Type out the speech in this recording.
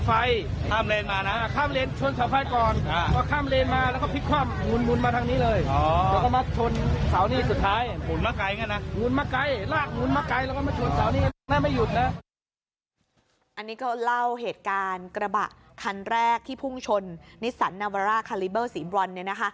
อันนี้ก็เล่าเหตุการณ์กระบะคันแรกที่พุ่งชนนิสสันนาวาร่าคาลิเบอร์สีบรอน